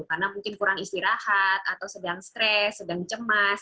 karena mungkin kurang istirahat atau sedang stres sedang cemas